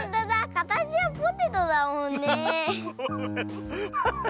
かたちはポテトだもんねえ。